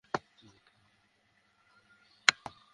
আমি আপনার আত্মাকে বাঁচানোর চেষ্টা করছি, নির্বোধ মানুষ!